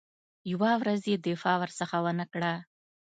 یوه ورځ یې دفاع ورڅخه ونه کړه.